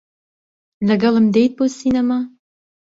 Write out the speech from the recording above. لەگەڵم دێیت بۆ سینەما؟